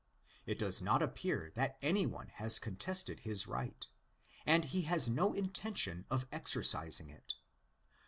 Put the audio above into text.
It does not appear that any one has contested his right; and he has no intention of exercising it.